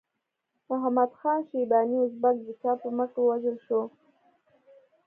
محمد خان شیباني ازبک د چا په مټ ووژل شو؟